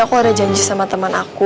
aku ada janji sama teman aku